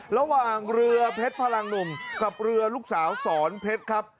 ระหว่างเรือเพชรพลังหนุ่มกับเรือลูกสาวสอนเพชรครับ